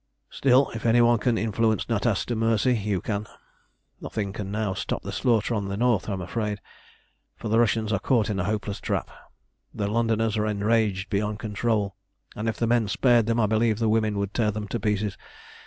"Still, if any one can influence Natas to mercy, you can. Nothing can now stop the slaughter on the north, I'm afraid, for the Russians are caught in a hopeless trap. The Londoners are enraged beyond control, and if the men spared them I believe the women would tear them to pieces.